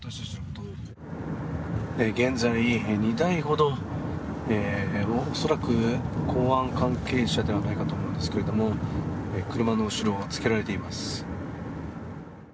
現在、２台ほど、恐らく公安関係者ではないかと思うんですけれども、車の後ろをつけられています。